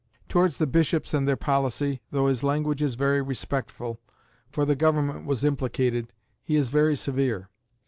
Towards the bishops and their policy, though his language is very respectful, for the government was implicated, he is very severe.